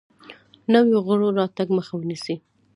نویو غړو راتګ مخه ونیسي.